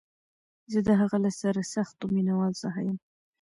زه د هغه له سرسختو مینوالو څخه یم